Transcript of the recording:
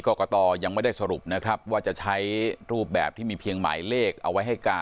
กรกตยังไม่ได้สรุปนะครับว่าจะใช้รูปแบบที่มีเพียงหมายเลขเอาไว้ให้การ